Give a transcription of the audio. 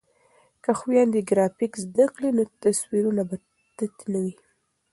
که خویندې ګرافیک زده کړي نو تصویرونه به تت نه وي.